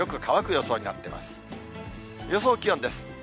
予想気温です。